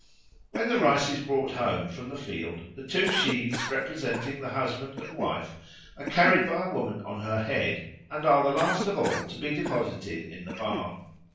When the rice is brought home from the field, the two sheaves representing the husband and wife are carried by a woman on her head, and are the last of all to be deposited in the barn.